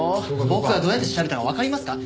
僕がどうやって調べたかわかりますか？